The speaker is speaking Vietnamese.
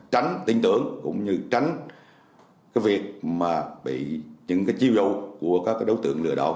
tránh tin tưởng cũng như tránh cái việc mà bị những cái chiêu dụ của các đối tượng lừa đảo